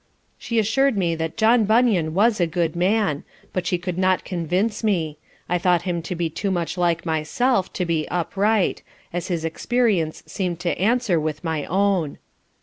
She assur'd me that John Bunyan was a good man, but she could not convince me; I thought him to be too much like myself to be upright, as his experience seem'd to answer with my own.